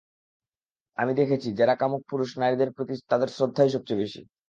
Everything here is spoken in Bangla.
আমি দেখেছি, যাঁরা কামুক পুরুষ, নারীদের প্রতি তাদের শ্রদ্ধাই সবচেয়ে বেশি।